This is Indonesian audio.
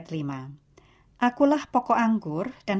dan kamu akan menjadi seorang yang berhutang dengan tuhan